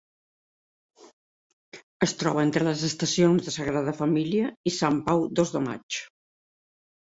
Es troba entre les estacions de Sagrada Família i Sant Pau Dos de Maig.